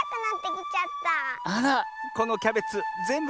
あらこのキャベツぜんぶ